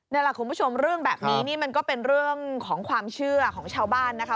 นี่แหละคุณผู้ชมเรื่องแบบนี้นี่มันก็เป็นเรื่องของความเชื่อของชาวบ้านนะคะ